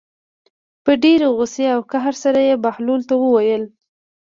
په ډېرې غوسې او قهر سره یې بهلول ته وویل.